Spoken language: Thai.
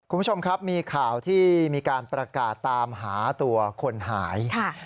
คุณผู้ชมครับมีข่าวที่มีการประกาศตามหาตัวคนหาย